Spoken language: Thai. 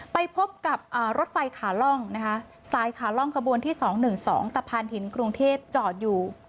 ไปพบกับรถไฟขาล่องนะคะสายขาล่องขบวนที่๒๑๒ตะพานหินกรุงเทพจอดอยู่